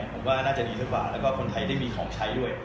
ผมว่าน่าจะดีกว่าและคนไทยได้มีของใช้ด้วย